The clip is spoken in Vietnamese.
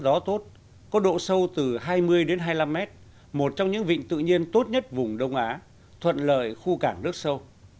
vịnh lớn chắn gió tốt có độ sâu từ hai mươi đến hai mươi năm mét một trong những vịnh tự nhiên tốt nhất vùng đông á thuận lợi khu cảng nước sâu